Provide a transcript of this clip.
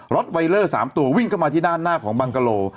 ไวเลอร์๓ตัววิ่งเข้ามาที่ด้านหน้าของบังกะโล